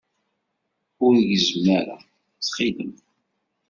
Ur gezzem ara, ttxil-m.